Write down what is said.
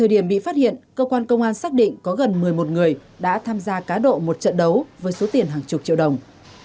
điểm bị phát hiện cơ quan công an xác định có gần một mươi một người đã tham gia cá độ một trận đấu với số tiền hàng chục triệu đồng